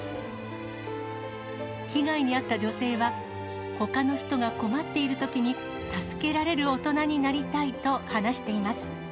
被害に遭った女性は、ほかの人が困っているときに助けられる大人になりたいと話しています。